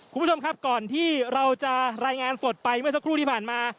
คุณผู้ชมครับก่อนที่เราจะรายงานสดไปเมื่อสักครู่ที่ผ่านมา